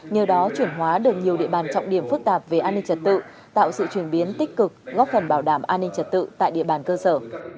nhờ đó chuyển hóa được nhiều địa bàn trọng điểm phức tạp về an ninh trật tự tạo sự chuyển biến tích cực góp phần bảo đảm an ninh trật tự tại địa bàn cơ sở